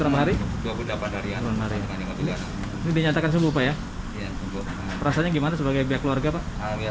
ramah hari hari nyatakan semua ya rasanya gimana sebagai keluarga pak